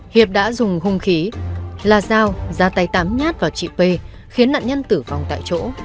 hiệp đã dùng hung khí là dao ra tay tám nhát vào chị p khiến nạn nhân tử vong tại chỗ